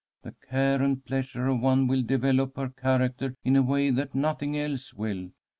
The care and pleasure of one will develop her character in a way that nothing else will.